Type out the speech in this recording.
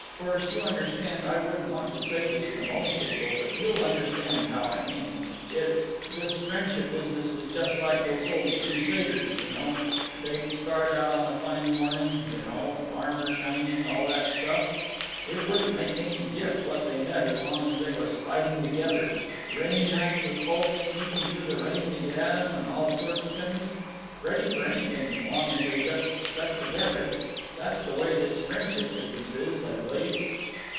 Course you understand I wouldn't want to say this to most people, but you'll understand how I mean. It's—this friendship business is just like those old crusaders— you know—they'd start out on a fine morning—you know; armor shining, all that stuff. It wouldn't make any dif. what they met as long as they was fighting together. Rainy nights with folks sneaking through the rain to get at 'em, and all sorts of things— ready for anything, long as they just stuck together. That's the way this friendship business is, I b'lieve.